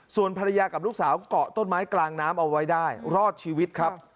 ส่วนภรรยากับลูกสาวเกาะต้นไม้กลางน้ำเอาไว้ได้รอดชีวิตครับ